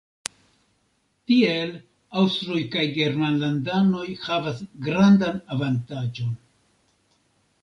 Tiel aŭstroj kaj germanlandanoj havas grandan avantaĝon.